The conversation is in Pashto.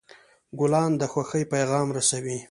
ګلان د خوښۍ پیغام رسوي.